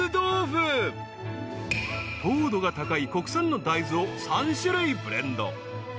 ［糖度が高い国産のダイズを３種類ブレンド］